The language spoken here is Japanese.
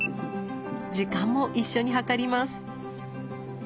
時間も一緒に計ります。